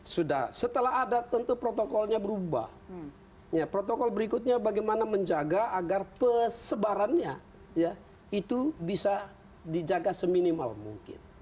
sudah setelah ada tentu protokolnya berubah protokol berikutnya bagaimana menjaga agar persebarannya ya itu bisa dijaga seminimal mungkin